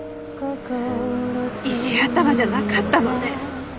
石頭じゃなかったのね。